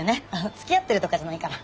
つきあってるとかじゃないから。